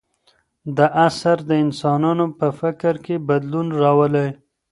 دا اثر د انسانانو په فکر کې بدلون راولي.